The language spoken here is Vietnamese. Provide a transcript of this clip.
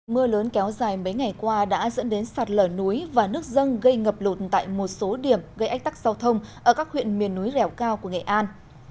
mưa lớn kéo dài mấy ngày qua đã dẫn đến sạt lở núi và nước dân gây ngập lột tại một số điểm gây ách tắc giao thông ở các huyện miền núi rẻo cao của nghệ an